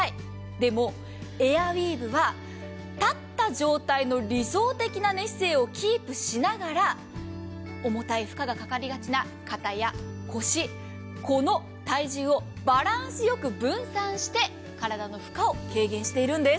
でもエアウィーヴは立った状態の理想的な寝姿勢をキープしながら重たい負荷がかかりがちな肩や腰、この体重をバランスよく分散して体の負荷を軽減しているんです。